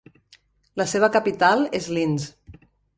La seva capital és Linz.